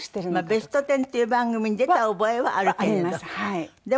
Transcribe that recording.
『ベストテン』っていう番組に出た覚えはあるけれど。